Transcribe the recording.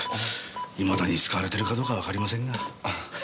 いまだに使われてるかどうかわかりませんが。